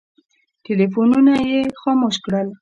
ټلفونونه یې خاموش کړل.